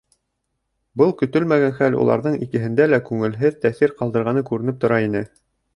Был көтөлмәгән хәл уларҙың икеһендә лә күңелһеҙ тәьҫир ҡалдырғаны күренеп тора ине.